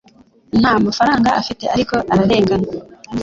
Nta mafaranga afite ariko ararengana